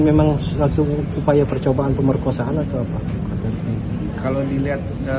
memang satu upaya percobaan pemerkosaan atau apa